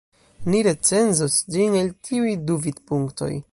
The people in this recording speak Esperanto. Ni recenzos ĝin el tiuj du vidpunktoj.